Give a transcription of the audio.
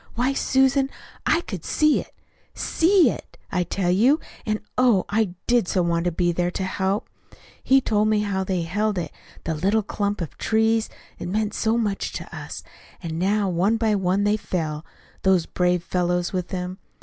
Why, Susan, I could see it SEE it, I tell you, and, oh, I did so want to be there to help. He told me how they held it the little clump of trees that meant so much to US, and how one by one they fell those brave fellows with him.